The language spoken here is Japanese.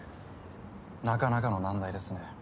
なかなかの難題ですね